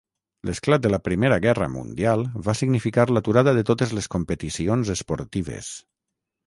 L'esclat de la Primera Guerra Mundial va significar l'aturada de totes les competicions esportives.